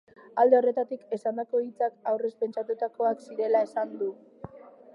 Alde horretatik, esandako hitzak aurrez pentsatutakoak zirela esan du.